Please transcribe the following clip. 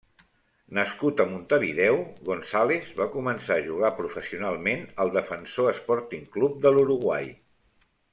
Nascut a Montevideo, González va començar a jugar professionalment al Defensor Sporting Club de l'Uruguai.